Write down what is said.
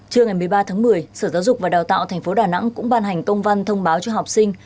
trưa ngày một mươi ba tháng một mươi sở giáo dục và đào tạo tp đà nẵng cũng ban hành công văn thông báo cho học sinh